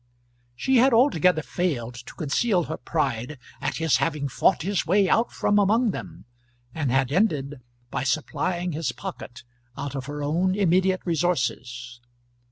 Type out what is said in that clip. She had altogether failed to conceal her pride at his having fought his way out from among them, and had ended by supplying his pocket out of her own immediate resources.